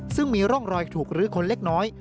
ซึ่งมีร่องรอยถูกรื้อคนเล็กน้อย